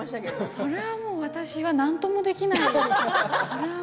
それはもう私にはなんともできない。